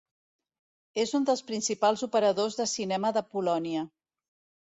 És un dels principals operadors de cinema de Polònia.